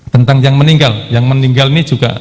tentang yang meninggal yang meninggal ini juga